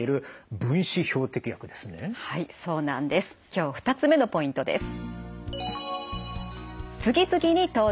今日２つ目のポイントです。